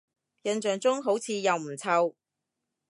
印象中好似又唔臭